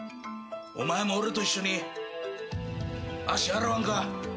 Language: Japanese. お前も俺と一緒に足洗わんか？